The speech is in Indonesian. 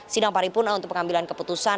sidang paripurna untuk pengambilan keputusan